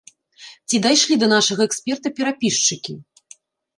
Ці дайшлі да нашага эксперта перапісчыкі?